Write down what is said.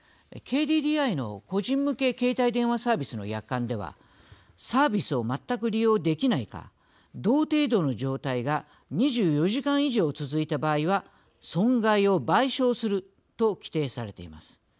ＫＤＤＩの個人向け携帯電話サービスの約款ではサービスを全く利用できないか同程度の状態が２４時間以上続いた場合は損害を賠償すると規定されています。